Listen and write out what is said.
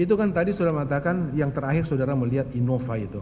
itu kan tadi sudah mengatakan yang terakhir saudara melihat innova itu